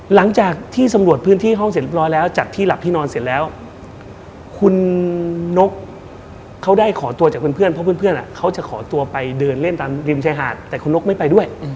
หลังจากที่สำรวจพื้นที่ห้องเสร็จเรียบร้อยแล้วจากที่หลับที่นอนเสร็จแล้วคุณนกเขาได้ขอตัวจากเพื่อนเพราะเพื่อนเขาจะขอตัวไปเดินเล่นตามริมชายหาดแต่คุณนกไม่ไปด้วย